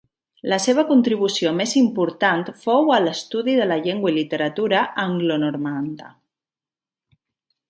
La seva contribució més important fou a l'estudi de la llengua i literatura anglonormanda.